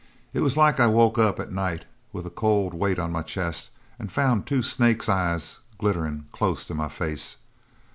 It was like I'd woke up at night with a cold weight on my chest and found two snakes' eyes glitterin' close to my face.